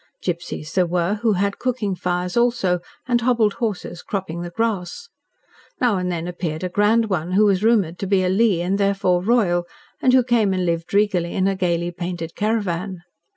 Gipsies there were who had cooking fires also, and hobbled horses cropping the grass. Now and then appeared a grand one, who was rumoured to be a Lee and therefore royal, and who came and lived regally in a gaily painted caravan.